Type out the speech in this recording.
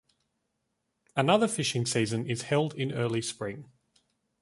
Another fishing season is held in early spring.